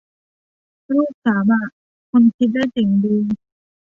รูปสามอะ คนคิดได้เจ๋งดี